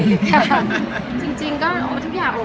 ก็อยากดูการกำลังเกิดการแล้วบินไปบินมาจนกัน